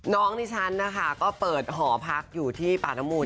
น้องดิฉันนะคะก็เปิดหอพักอยู่ที่ป่านมูล